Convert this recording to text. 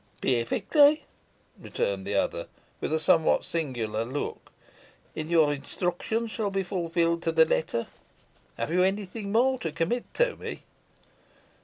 "Perfectly," returned the other, with a somewhat singular look; "and your instructions shall be fulfilled to the letter. Have you any thing more to commit to me?"